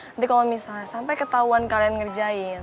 nanti kalau misalnya sampai ketahuan kalian ngerjain